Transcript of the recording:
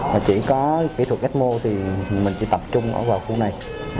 mà chỉ có kỹ thuật ecmo thì mình chỉ tập trung vào khu này